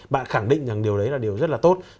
bạn khẳng định rằng điều đấy là điều rất là tốt